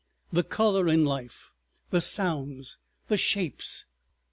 The color in life—the sounds—the shapes!